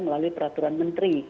melalui peraturan menteri